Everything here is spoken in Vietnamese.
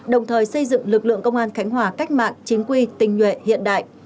đồng thời xây dựng lực lượng công an khánh hòa cách mạng chính quy tình nhuệ hiện đại